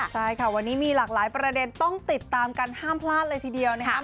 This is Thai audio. ใช่ค่ะวันนี้มีหลากหลายประเด็นต้องติดตามกันห้ามพลาดเลยทีเดียวนะครับ